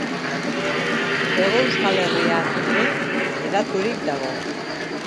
Hego Euskal Herrian ere hedaturik dago.